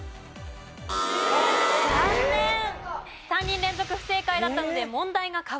３人連続不正解だったので問題が変わります。